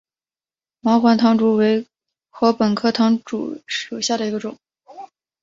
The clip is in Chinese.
毛环唐竹为禾本科唐竹属下的一个种。